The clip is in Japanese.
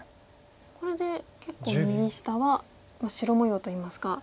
これで結構右下は白模様といいますか。